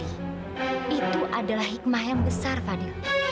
itu adalah hikmah yang besar fadi